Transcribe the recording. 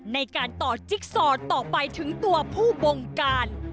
ในการต่อจิ๊กซอต่อไปถึงตัวผู้บงการ